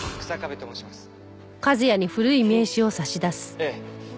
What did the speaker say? ええ。